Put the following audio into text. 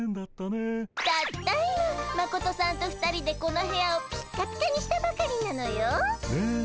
たった今マコトさんと２人でこの部屋をピッカピカにしたばかりなのよ。ね。